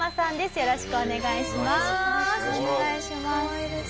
よろしくお願いします。